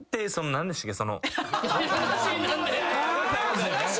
何でしたっけ。